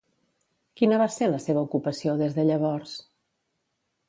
Quina va ser la seva ocupació des de llavors?